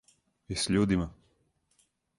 И с људима.